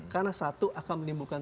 karena satu akan menimbulkan